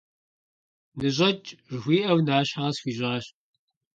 «Ныщӏэкӏ!» - жыхуиӏэу, нащхьэ къысхуищӏащ.